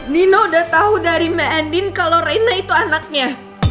nino udah tau dari mbak endin kalau reina itu anaknya